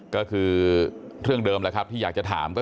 ก็คือเรื่องเดิมแล้วครับที่อยากจะถามก็